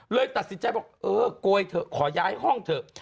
เลยตัดสินใจบอกเออโกยเถอะขอย้ายห้องเถอะ